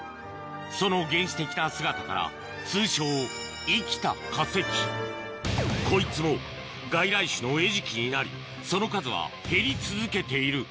その原始的な姿から通称こいつも外来種の餌食になりその数は減り続けている